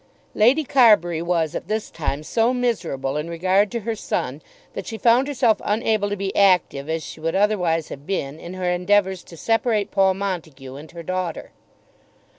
Lady Carbury was at this time so miserable in regard to her son that she found herself unable to be active as she would otherwise have been in her endeavours to separate Paul Montague and her daughter.